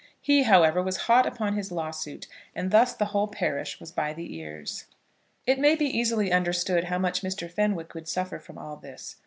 He, however, was hot upon his lawsuit, and thus the whole parish was by the ears. It may be easily understood how much Mr. Fenwick would suffer from all this.